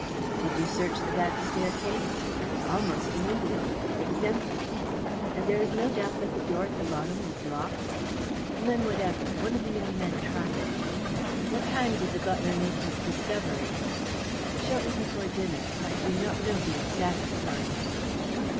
"Did you search the back staircase?" "Almost immediately. It was empty." "And there is no doubt that the door at the bottom was locked?" "None whatever one of the young men tried it." "What time did the butler make his discovery?" "Shortly before dinner. I do not know the exact time."